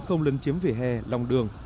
không lân chiếm vỉa hè lòng đường